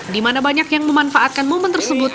di mana banyak yang memanfaatkan momen tersebut